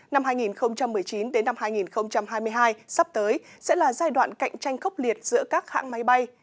năm hai nghìn một mươi chín đến năm hai nghìn hai mươi hai sắp tới sẽ là giai đoạn cạnh tranh khốc liệt giữa các hãng máy bay